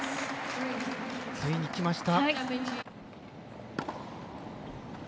ついにきました。